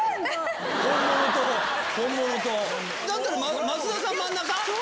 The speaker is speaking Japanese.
だったら増田さん真ん中。